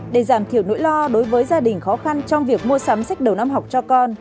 để giảm thiểu nỗi lo đối với gia đình khó khăn trong việc mua sắm sách đầu năm học cho con